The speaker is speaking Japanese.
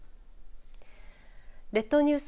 列島ニュース